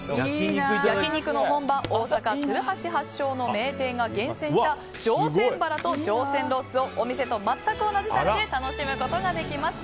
焼き肉の本場大阪・鶴橋が発祥の名店が厳選した上撰バラと上撰ロースをお店と全く同じタレで楽しむことができます。